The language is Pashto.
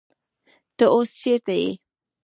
تۀ اوس چېرته يې ؟